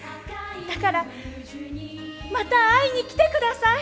だからまた会いに来て下さい。